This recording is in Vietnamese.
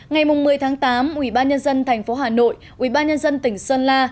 ngày một mươi tháng tám ubnd tp hà nội ubnd tỉnh sơn la